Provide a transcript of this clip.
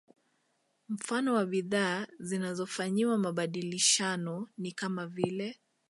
Mfano wa bidhaa zilizofanyiwa mabadilishano ni kama vile